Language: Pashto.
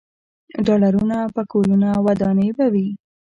ډالرونه، پکولونه او ودانۍ به وي.